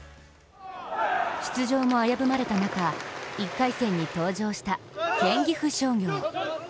出場も危ぶまれた中、１回戦に登場した県岐阜商業。